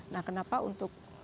nah kenapa untuk